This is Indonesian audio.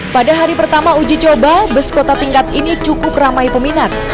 pada hari pertama uji coba bus kota tingkat ini cukup ramai peminat